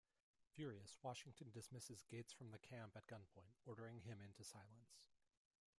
Furious, Washington dismisses Gates from the camp at gunpoint, ordering him into silence.